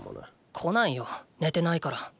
来ないよ寝てないから。